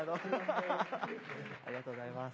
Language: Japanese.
ありがとうございます